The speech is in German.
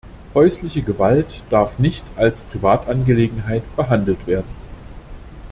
Häusliche Gewalt darf nicht als Privatangelegenheit behandelt werden.